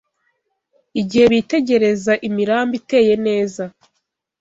Igihe bitegereza imirambi iteye neza